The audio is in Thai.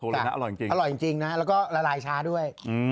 แต่อร่อยจริงนะแล้วก็ละลายช้าด้วย